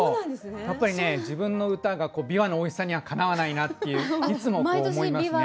やっぱりね自分の歌がびわのおいしさにはかなわないなっていつも思いますね。